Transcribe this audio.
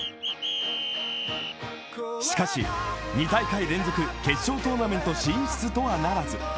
しかし、２大会連続決勝トーナメント進出とはならず。